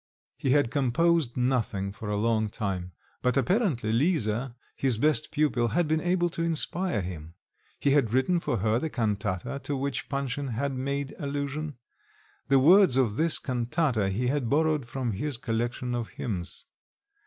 He had composed nothing for a long time; but apparently, Lisa, his best pupil, had been able to inspire him; he had written for her the cantata to which Panshin had! made allusion. The words of this cantata he had borrowed from his collection of hymns.